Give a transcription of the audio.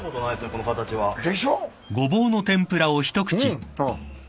この形は。でしょ？